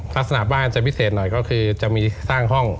ลักษณะบ้านจะพิเศษหน่อยก็คือจะมีสร้างห้อง